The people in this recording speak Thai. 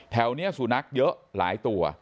แถวนี้สุนัขเยอะหลายตัว